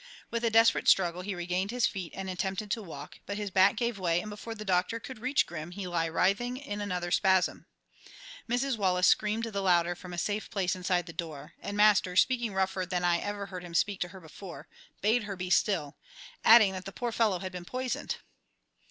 With a desperate struggle he regained his feet and attempted to walk, but his back gave way and before the doctor could reach Grim he lay writhing in another spasm. Mrs. Wallace screamed the louder from a safe place inside the door; and Master, speaking rougher than I ever heard him speak to her before, bade her be still, adding that the poor fellow had been poisoned.